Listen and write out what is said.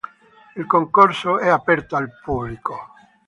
Il concorso è aperto al pubblico.